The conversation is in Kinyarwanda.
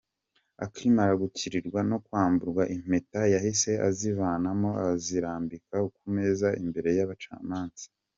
Akimara gukatirwa no kwamburwa impeta, yahise azivanamo azirambika ku meza imbere y’abacamanza.